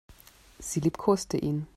Sie liebkoste ihn.